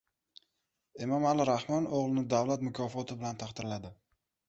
Emomali Rahmon o‘g‘lini davlat mukofoti bilan taqdirladi